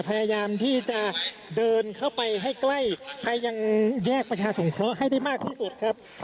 พยายามที่จะเดินเข้าไปให้ใกล้ไปยังแยกประชาสงเคราะห์ให้ได้มากที่สุดครับ